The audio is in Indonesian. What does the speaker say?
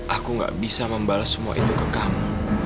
aku gak bisa membalas semua itu ke kamu